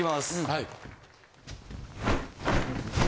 はい。